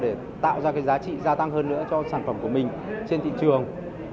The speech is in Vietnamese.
để tạo ra cái giá trị gia tăng hơn nữa cho sản phẩm của mình trên thị trường